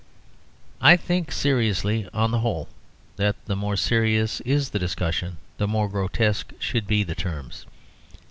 I think seriously, on the whole, that the more serious is the discussion the more grotesque should be the terms.